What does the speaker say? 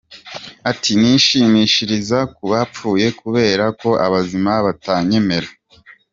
Ati “ Nishimishiriza ku bapfuye , kubera ko abazima batanyemera .